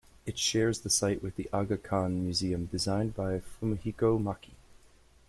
It shares the site with the Aga Khan Museum designed by Fumihiko Maki.